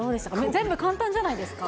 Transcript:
全部簡単じゃないですか。